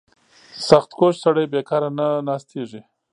• سختکوش سړی بېکاره نه ناستېږي.